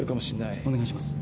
お願いします。